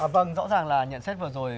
vâng rõ ràng là nhận xét vừa rồi